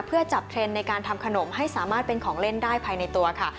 เพื่อจับเทรนด์ในการทำขนมให้สามารถเป็นของเล่นได้ภายในตัวค่ะ